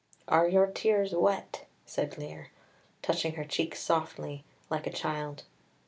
"Are your tears wet?" said Lear, touching her cheeks softly, like a child.